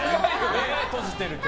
目を閉じていると。